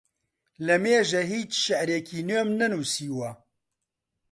لەمێژە هیچ شیعرێکی نوێم نەنووسیوە.